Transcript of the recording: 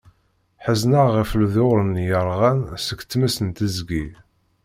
Ḥezneɣ ɣef leḍyur-nni yerɣan s tmes deg teẓgi.